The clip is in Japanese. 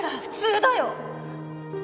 普通だよ！